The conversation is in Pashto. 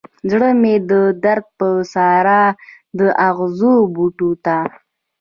زړه مې د درد پر سارا د اغزو بوټو ته